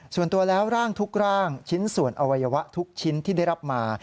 ส่วนตัวแล้วร่างทุกร่างชิ้นส่วนอวัยวะทุกชิ้นที่ได้รับมา